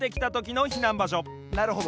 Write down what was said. なるほど。